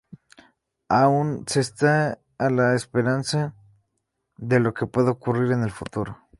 Aún se está a la espera de lo que pueda ocurrir en el futuro.